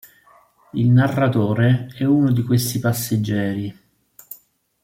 Il narratore è uno di questi passeggeri.